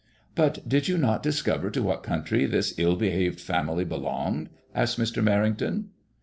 " But did you not discover to what country this ill behaved family belonged ?" asked Mr. Merrington.